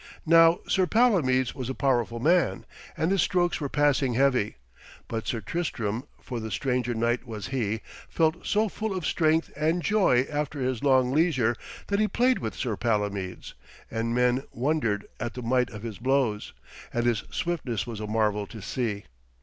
Now Sir Palomides was a powerful man, and his strokes were passing heavy, but Sir Tristram, for the stranger knight was he, felt so full of strength and joy after his long leisure, that he played with Sir Palomides, and men wondered at the might of his blows, and his swiftness was a marvel to see.